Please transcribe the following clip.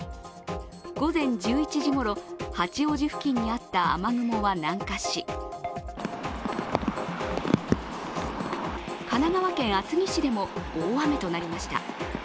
午前１１時ごろ、八王子付近にあった雨雲は南下し神奈川県厚木市でも大雨となりました。